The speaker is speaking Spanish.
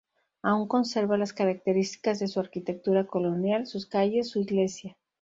Aún conserva las características de su arquitectura colonial; sus calles, su iglesia.